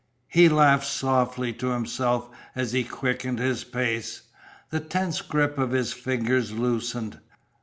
He laughed softly to himself as he quickened his pace. The tense grip of his fingers loosened.